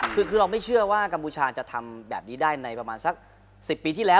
คือเราไม่เชื่อว่ากัมพูชาจะทำแบบนี้ได้ในประมาณสัก๑๐ปีที่แล้ว